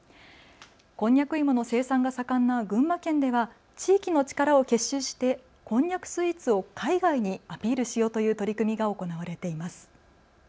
こんにゃく芋の生産が盛んな群馬県では地域の力を結集してこんにゃくスイーツを海外にアピールしようという取り組みが行われています。